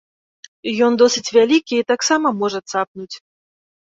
Ён досыць вялікі і таксама можа цапнуць.